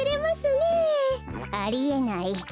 ありえない。